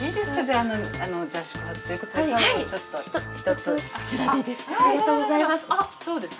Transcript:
ありがとうございます。